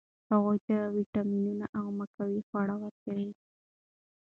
هغوی ته ویټامینونه او مقوي خواړه ورکړئ.